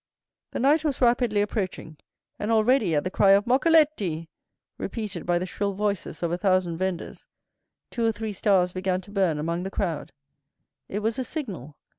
The night was rapidly approaching; and already, at the cry of "Moccoletti!" repeated by the shrill voices of a thousand vendors, two or three stars began to burn among the crowd. It was a signal.